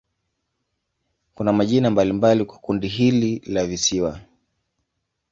Kuna majina mbalimbali kwa kundi hili la visiwa.